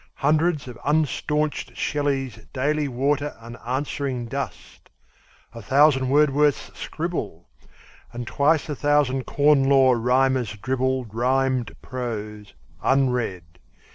Hundreds of unstaunched Shelleys daily water Unanswering dust; a thousand Wordsworths scribble; And twice a thousand Corn Law Rhymers dribble Rhymed prose, unread.